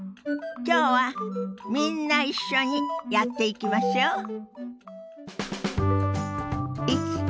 今日はみんな一緒にやっていきましょう。